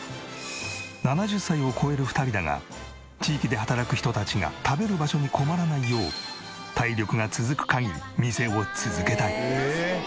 ７０歳を超える２人だが地域で働く人たちが食べる場所に困らないよう体力が続く限り店を続けたい。